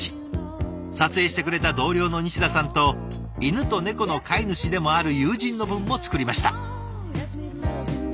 撮影してくれた同僚の西田さんと犬と猫の飼い主でもある友人の分も作りました。